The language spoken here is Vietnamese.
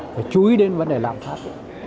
phải chú ý đến vấn đề lạm phát